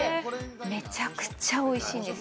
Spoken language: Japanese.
めちゃくちゃ美味しいんです。